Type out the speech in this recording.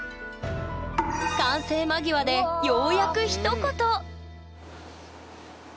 完成間際でようやくひと言！